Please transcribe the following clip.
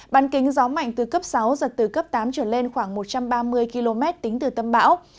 bàn kính gió mạnh từ cấp sáu giật từ cấp tám trở lên khoảng một trăm ba mươi km tính từ tâm bão